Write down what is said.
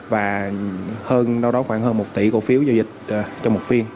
và hơn đâu đó khoảng hơn một tỷ cổ phiếu giao dịch trong một phiên